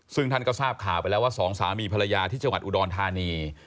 ซึ่งท่านก็ทราบข่าวไปแล้วว่าสองสามีภรรยาที่จังหวัดอุดรธานี